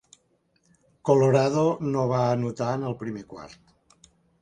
Colorado no va anotar en el primer quart.